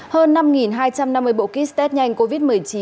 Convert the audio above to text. hơn năm hai trăm năm mươi bộ kit test nhanh covid một mươi chín